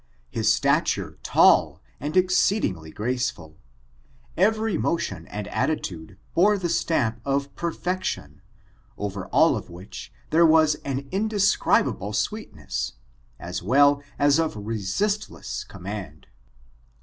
His stature tall and exceeding ly graceful, every motion and attitude bore the stamp of perfection, over all of which there was an in describable sweetness, as well as of resistless com mand.